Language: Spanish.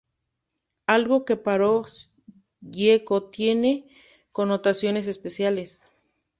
Algo que para Gieco tiene connotaciones especiales.